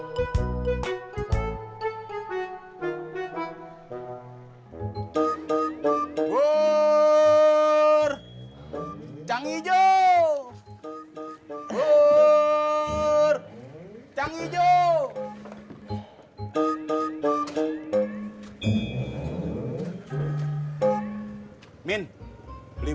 burur canggih jauh